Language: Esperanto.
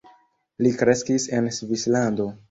Li kreskis en Svislando.